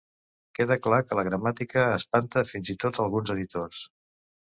Queda clar que la gramàtica espanta fins i tot alguns editors.